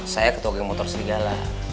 saya ketua geng motor serigala